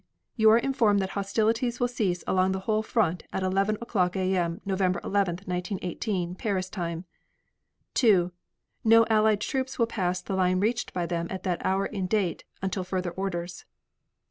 You are informed that hostilities will cease along the whole front at 11 o'clock A. M., November 11, 1918, Paris time. 2. No Allied troops will pass the line reached by them at that hour in date until further orders.